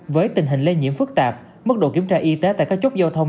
với tình hình lây nhiễm phức tạp mức độ kiểm tra y tế tại các chốt giao thông